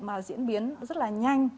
mà diễn biến rất là nhanh